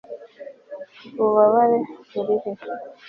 ububabare burihe